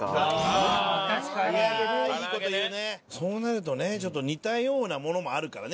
そうなるとねちょっと似たようなものもあるからね